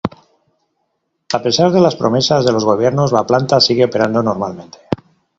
A pesar de las promesas de los gobiernos la planta sigue operando normalmente.